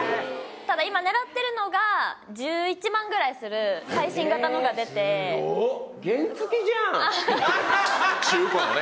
ただ今狙ってるのが１１万ぐらいする最新型のが出て中古のね